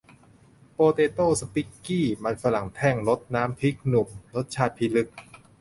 โปเทโต้ สปิคกี้ มันฝรั่งแท่ง รสน้ำพริกหนุ่ม รสชาติพิลึก